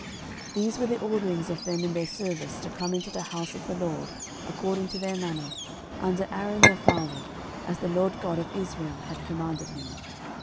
13:024:019 These were the orderings of them in their service to come into the house of the LORD, according to their manner, under Aaron their father, as the LORD God of Israel had commanded him.